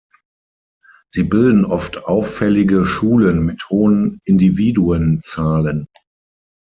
Sie bilden oft auffällige Schulen mit hohen Individuenzahlen.